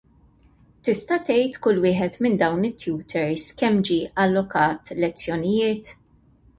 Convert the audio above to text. Tista' tgħid kull wieħed minn dawn it-tutors kemm ġie allokat lezzjonijiet?